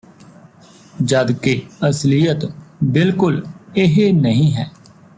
ਜਦਕਿ ਅਸਲੀਅਤ ਬਿਲਕੁਲ ਇਹ ਨਹੀਂ ਹੈ